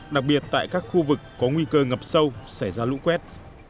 đặc biệt tại các khu vực có nguy cơ ngập sâu xảy ra lũ quét